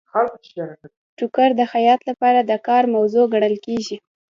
ټوکر د خیاط لپاره د کار موضوع ګڼل کیږي.